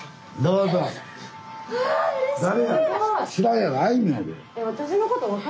うれしい！